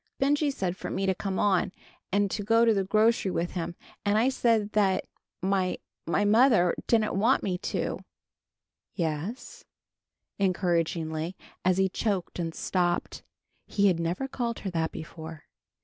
"Benjy said for me to come on and go to the grocery with him! And I said that my my mother didn't want me to!" "Yes," encouragingly, as he choked and stopped. He had never called her that before.